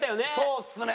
そうですね。